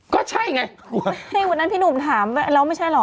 ก็ใช่ไงวันนั้นพี่หนุ่มถามแล้วไม่ใช่เหรอ